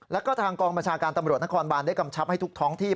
แล้วก็ทางกองบัญชาการตำรวจนครบานได้กำชับให้ทุกท้องที่